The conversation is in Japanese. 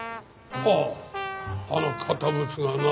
ほうあの堅物がな。